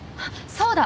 そうだ。